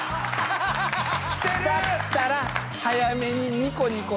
だったら。